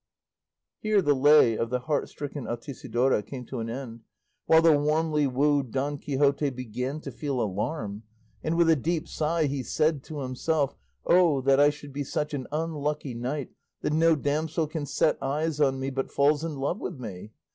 Here the lay of the heart stricken Altisidora came to an end, while the warmly wooed Don Quixote began to feel alarm; and with a deep sigh he said to himself, "O that I should be such an unlucky knight that no damsel can set eyes on me but falls in love with me!